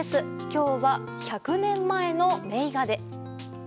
今日は、１００年前の名画で。